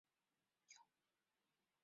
南齐永明五年。